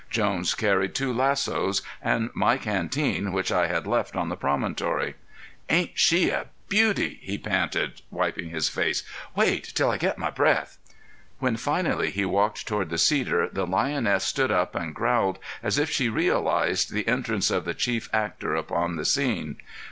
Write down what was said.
Jones carried two lassos, and my canteen, which I had left on the promontory. "Ain't she a beauty?" he panted, wiping his face. "Wait till I get my breath." When finally he walked toward the cedar the lioness stood up and growled as if she realized the entrance of the chief actor upon the scene.